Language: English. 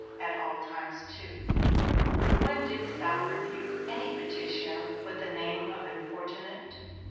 At all times too. When didst thou rebuke any petitioner with the name of importunate?